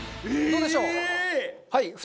はい。